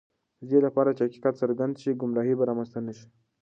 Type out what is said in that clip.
د دې لپاره چې حقیقت څرګند شي، ګمراهی به رامنځته نه شي.